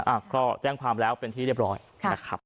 อ่ะก็แจ้งความแล้วเป็นที่เรียบร้อยนะครับ